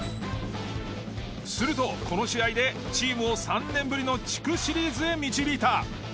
するとこの試合でチームを３年ぶりの地区シリーズへ導いた。